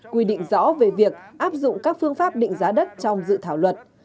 quy định rõ về việc áp dụng các phương pháp định giá đất trong dự thảo luật